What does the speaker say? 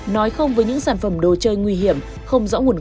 nói không với những sản phẩm đồ chơi nguy hiểm không rõ nguồn gốc xuất xứ